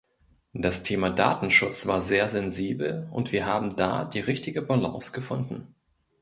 Das Thema Datenschutz war sehr sensibel, und wir haben da die richtige Balance gefunden.